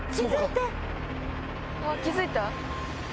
気付いて！